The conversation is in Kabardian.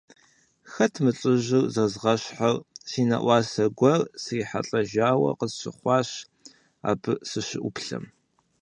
Хэт мы лӀыжьыр зэзгъэщхьыр – си нэӀуасэ гуэр срихьэлӀэжауэ къысщыхъуащ, абы сыщыӀуплъэм.